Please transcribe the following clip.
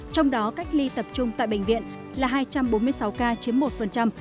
trong đó cách ly tập trung tại bệnh viện là hai trăm bốn mươi sáu ca chiếm một